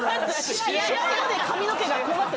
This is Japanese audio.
試合後で髪の毛がこうなって。